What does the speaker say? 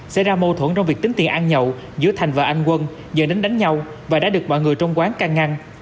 xảy ra mâu thuẫn trong việc tính tiền ăn nhậu giữa thành và anh quân dần đánh nhau và đã được bỏ người trong quán căng ngăn